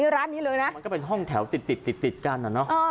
ร้านนี้เลยนะมันก็เป็นห้องแถวติดกันอ่ะนะ